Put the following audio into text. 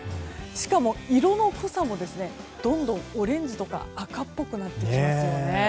しかも、色の濃さもどんどんオレンジとか赤っぽくなってきます。